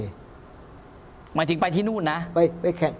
หมายถึงไปที่นู่นนะ